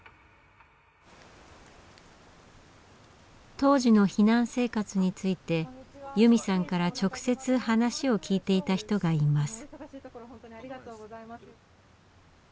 当時の避難生活について由美さんから直接話を聞いていた人がいます。